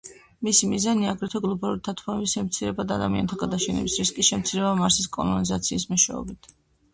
მისი მიზანია აგრეთვე გლობალური დათბობის შემცირება და ადამიანთა გადაშენების რისკის შემცირება მარსის კოლონიზაციის მეშვეობით.